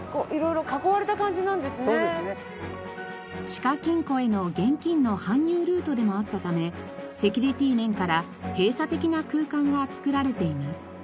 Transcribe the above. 地下金庫への現金の搬入ルートでもあったためセキュリティー面から閉鎖的な空間が作られています。